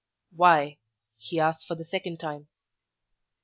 "Why?" he asked for the second time.